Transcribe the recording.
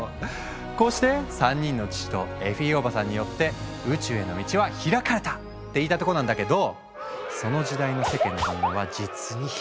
こうして３人の父とエフィーおばさんによって宇宙への道は開かれた！って言いたいとこなんだけどその時代の世間の反応は実にひどいもんだったんだ。